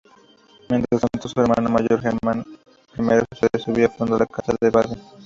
Mientras tanto, su hermano mayor Germán I de Suabia funda la casa de Baden.